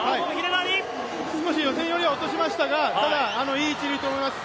少し予選よりは落としましたが、ただ、いい位置にいると思います。